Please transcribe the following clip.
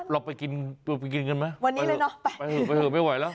เราไปกินกันไหมไปเถอะไปเถอะไม่ไหวแล้ว